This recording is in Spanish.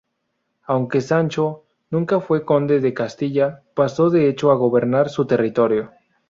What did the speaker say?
Aunque Sancho nunca fue conde de Castilla, pasó de hecho a gobernar su territorio.